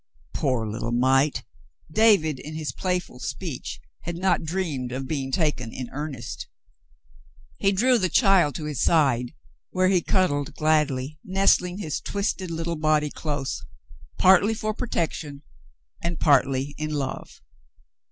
Poor little mite ! David in his playful speech had not dreamed of being taken in earnest. He drew the child to his side, where he cuddled gladly, nestling his twisted little body close, partly for protection, and partly in love.